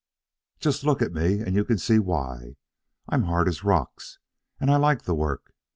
Just look at me and you can see why. I'm hard as rocks. And I like the work.